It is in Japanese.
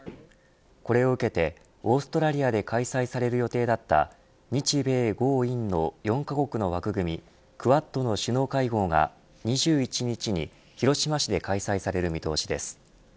これを受けて、オーストラリアで開催される予定だった日米豪印の４カ国の枠組みクアッドの首脳会合が、２１日に広島市で開催される見通しです。